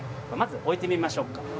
まず置いてみましょうか。